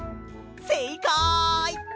せいかい！